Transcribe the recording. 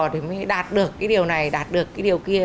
để đạt được cái điều này đạt được cái điều kia